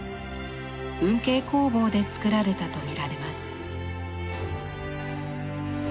運慶工房でつくられたとみられます。